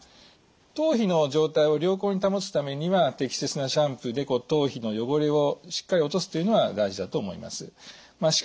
頭皮の状態を良好に保つためには適切なシャンプーで頭皮の汚れをしっかり落とすというのは大事だと思います。